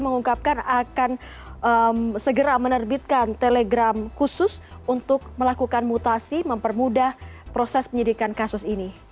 mengungkapkan akan segera menerbitkan telegram khusus untuk melakukan mutasi mempermudah proses penyidikan kasus ini